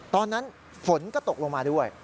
ตอนนั้นฝนก็ตกลงมาด้วย